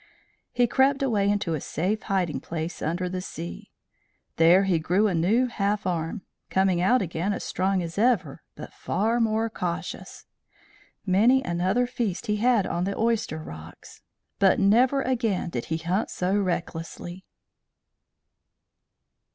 He crept away into a safe hiding place under the sea. There he grew a new half arm, coming out again as strong as ever, but far more cautious. Many another feast he had on the oyster rocks, but never again did he hunt so recklessly.